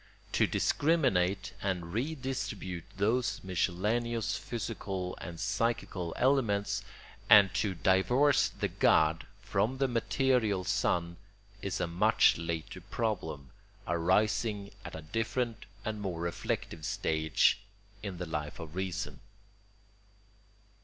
To discriminate and redistribute those miscellaneous physical and psychical elements, and to divorce the god from the material sun, is a much later problem, arising at a different and more reflective stage in the Life of Reason.